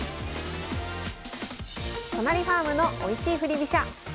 都成ファームのおいしい振り飛車。